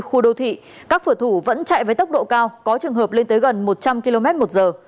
khu đô thị các phở thủ vẫn chạy với tốc độ cao có trường hợp lên tới gần một trăm linh km một giờ